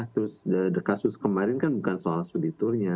terus kasus kemarin kan bukan soal studi turnya